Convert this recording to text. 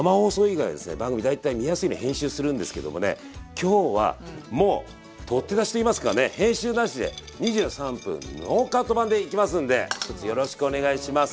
番組大体見やすいように編集するんですけどもね今日はもう撮って出しといいますかね編集なしで２３分ノーカット版でいきますんでひとつよろしくお願いします。